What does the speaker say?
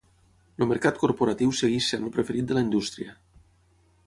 El mercat corporatiu segueix sent el preferit de la indústria.